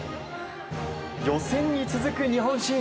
予選に続く日本新。